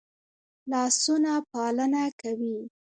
لاسونه پالنه کوي